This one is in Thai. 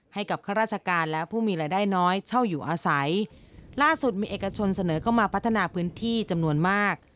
ข้าราชการและผู้มีรายได้น้อยเช่าอยู่อาศัยล่าสุดมีเอกชนเสนอเข้ามาพัฒนาพื้นที่จำนวนมาก